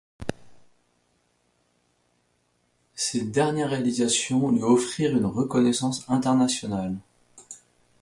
Ces dernières réalisations lui offrirent une reconnaissance internationale.